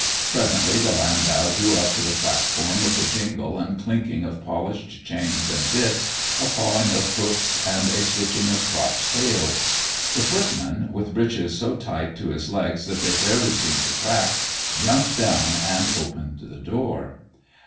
Presently the landau drew up to the platform with a jingle and clinking of polished chains and bits, a pawing of hoofs, and a switching of cropped tails. The footman, with breeches so tight to his legs that they fairly seemed to crack, jumped down and opened the door.